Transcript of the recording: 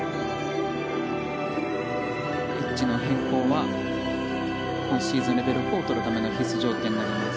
エッジの変更は今シーズンでレベル４を取るための必須条件になります。